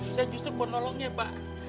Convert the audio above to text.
saya justru buat nolongnya pak